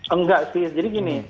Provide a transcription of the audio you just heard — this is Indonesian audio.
enggak sih jadi gini